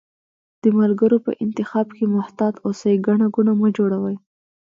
د ملګرو په انتخاب کښي محتاط اوسی، ګڼه ګوڼه مه جوړوی